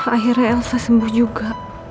akhirnya elsa sembuh juga